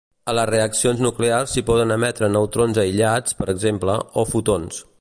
A les reaccions nuclears s'hi poden emetre neutrons aïllats, per exemple, o fotons.